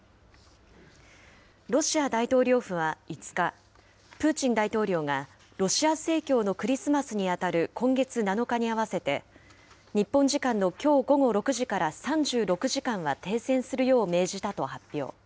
ロシア大統領府は５日、プーチン大統領が、ロシア正教のクリスマスに当たる今月７日に合わせて、日本時間のきょう午後６時から３６時間は停戦するよう命じたと発表。